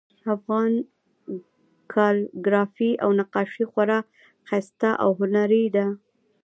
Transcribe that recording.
افغان کالیګرافي او نقاشي خورا ښایسته او هنري ده